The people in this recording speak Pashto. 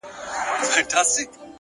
هره پوښتنه د پوهېدو دروازه ده!.